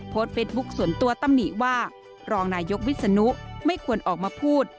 เฟซบุ๊คส่วนตัวตำหนิว่ารองนายกวิศนุไม่ควรออกมาพูด